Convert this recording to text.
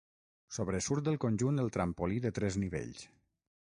Sobresurt del conjunt el trampolí de tres nivells.